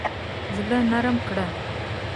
زړه نرم کړه.